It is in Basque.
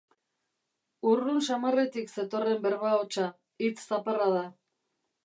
Urrun samarretik zetorren berba hotsa, hitz zaparrada.